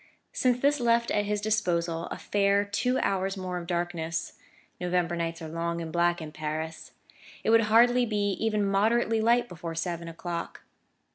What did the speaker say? This left at his disposal a fair two hours more of darkness: November nights are long and black in Paris; it would hardly be even moderately light before seven o'clock.